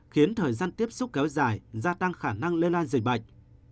khiến thời gian tiếp xúc kéo dài gia tăng khả năng lây lan dịch bệnh